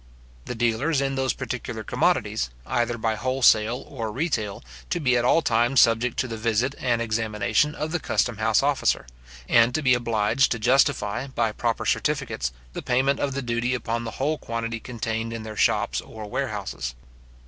The dealers in those particular commodities, either by wholesale or retail, to be at all times subject to the visit and examination of the custom house officer; and to be obliged to justify, by proper certificates, the payment of the duty upon the whole quantity contained in their shops or warehouses.